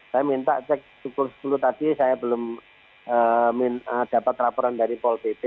saya minta cek pukul sepuluh tadi saya belum dapat laporan dari pol pp